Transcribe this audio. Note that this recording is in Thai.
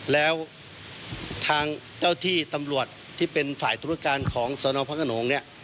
แล้วทางเจ้าที่ตำรวจที่เป็นฝ่ายธุรการของสนพระขนงเนี่ย